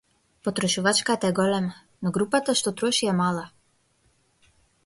Потрошувачката е голема, но групата што троши е мала.